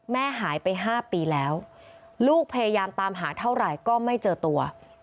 แม่หายไป๕ปีแล้วลูกพยายามตามหาเท่าไหร่ก็ไม่เจอตัว